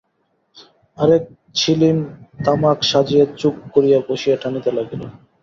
আর-এক ছিলিম তামাক সাজিয়া চুপ করিয়া বসিয়া টানিতে লাগিল।